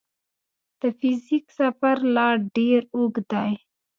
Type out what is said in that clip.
د فزیک سفر لا ډېر اوږ دی.